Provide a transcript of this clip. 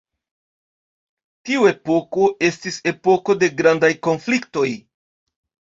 Tiu epoko estis epoko de grandaj konfliktoj.